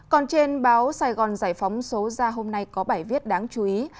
còn trên báo sài gòn giải phóng số ra hôm nay có bài viết đáng chú ý